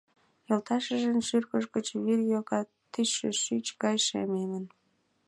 Йолташыжын шӱргыж гыч вӱр йога, тӱсшӧ шӱч гай шемемын.